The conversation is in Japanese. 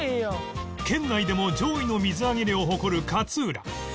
県内でも上位の水揚げ量を誇る勝浦